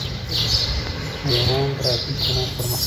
د ایران ګرافیک هنر پرمختللی دی.